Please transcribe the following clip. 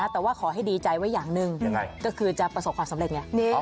แต่ว่าขอให้ดีใจไว้อย่างหนึ่งก็คือจะประสบความสำเร็จไง